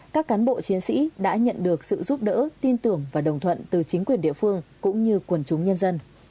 các cán bộ chiến sĩ đã nhận được sự giúp đỡ tin tưởng và đồng thuận từ chính quyền địa phương cũng như quần chúng nhân dân